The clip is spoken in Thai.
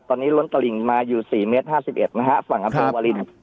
ตอนนี้ล้นตะหลิงมาอยู่สี่เมตรห้าสิบเอ็ดนะฮะฝั่งอำเพอร์วาลินครับ